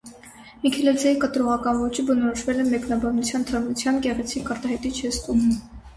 Միքելաձեի կատարողական ոճը բնորոշվել է մեկնաբանության թարմությամբ, գեղեցիկ, արտահայտիչ ժեստով։